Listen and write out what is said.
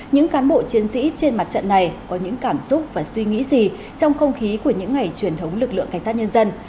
những cán bộ chiến sĩ trên mặt trận này có những cảm xúc và suy nghĩ gì trong không khí của những ngày truyền thống lực lượng cảnh sát nhân dân